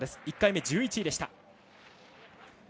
１回目、１１位でした。